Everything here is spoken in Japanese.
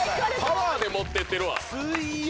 パワーで持ってってるわ。